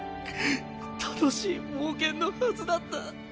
楽しい冒険のはずだった。